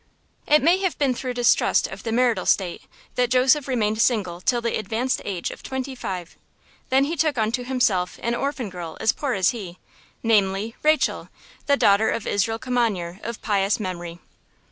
It may have been through distrust of the marital state that Joseph remained single till the advanced age of twenty five. Then he took unto himself an orphan girl as poor as he, namely, Rachel, the daughter of Israel Kimanyer of pious memory.